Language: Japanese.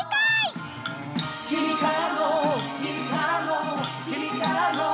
「君からの君からの君からの」